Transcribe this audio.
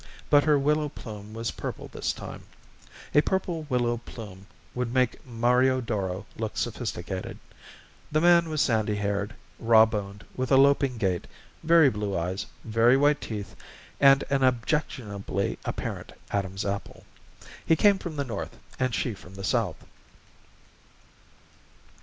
But her willow plume was purple this time. A purple willow plume would make Mario Doro look sophisticated. The man was sandy haired, raw boned, with a loping gait, very blue eyes, very white teeth, and an objectionably apparent Adam's apple. He came from the north, and she from the south.